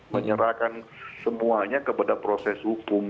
menyerahkan semuanya kepada proses hukum